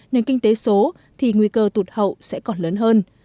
nền kinh tế số thì nguy cơ tụt hậu sẽ còn lớn hơn